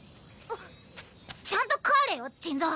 ちゃんと帰れよ珍蔵！